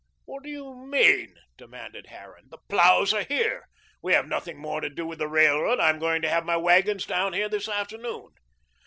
"What do you mean?" demanded Harran. "The ploughs are here. We have nothing more to do with the railroad. I am going to have my wagons down here this afternoon."